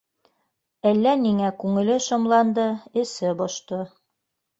Әллә ниңә күңеле шомланды, эсе бошто